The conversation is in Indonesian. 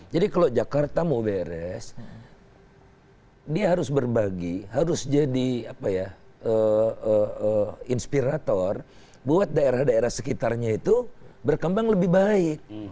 jadi kalau jakarta mau beres dia harus berbagi harus jadi inspirator buat daerah daerah sekitarnya itu berkembang lebih baik